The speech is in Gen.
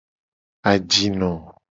Ajino.